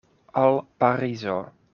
Al Parizo.